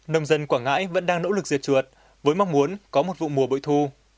nông dân quảng ngãi vẫn đang nỗ lực diệt chuột với mong muốn có một vụ mùa bội thu